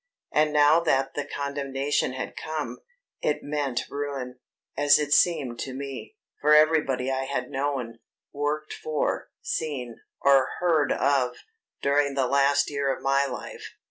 And now that the condemnation had come, it meant ruin, as it seemed to me, for everybody I had known, worked for, seen, or heard of, during the last year of my life.